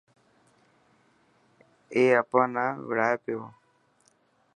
اي اپا نا وڙائي پيو.